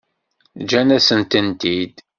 Ǧǧan-asen-tent-id.